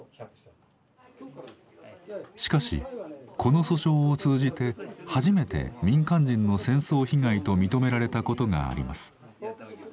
しかしこの訴訟を通じて初めて民間人の戦争被害と認められたことがあります。